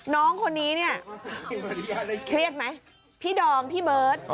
น้องคนนี้เนี่ยเครียดไหม